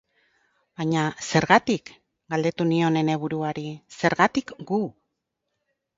Baina, zergatik?, galdetu nion ene buruari, zergatik gu?